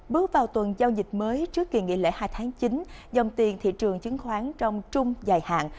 bước vào tuần giao dịch mới trước kỳ nghỉ lễ hai tháng chín dòng tiền thị trường chứng khoán trong trung dài hạn